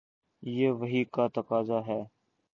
یہ وحی کا تقاضا ہے۔